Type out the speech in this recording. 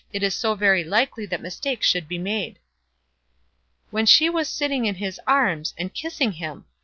It is so very likely that mistakes should be made." "When she was sitting in his arms, and kissing him!